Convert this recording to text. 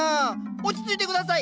落ち着いて下さい！